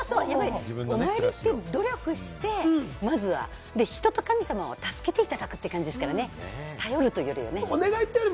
お参りって努力して、まずは人と神様を助けていただくって感じですからね、頼るというよりね。